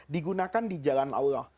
digunakan di jalan allah